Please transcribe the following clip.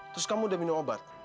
terus kamu udah minum obat